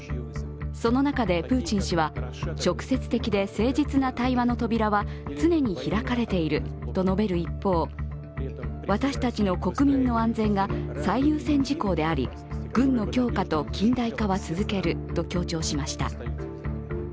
その中でプーチン氏は直接的で誠実な対話の扉は常に開かれていると述べる一方、私たちの国民の安全が最優先事項であり、軍の強化と近代化は続けると強調しました。